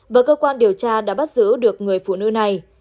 và cơ quan điều tra đã bắt giữ được người phụ nữ này